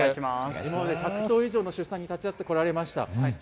今まで１００頭以上の出産に携わってこられました。